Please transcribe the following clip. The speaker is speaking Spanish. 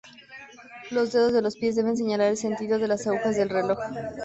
Los dedos de los pies deben señalar el sentido de las agujas del reloj.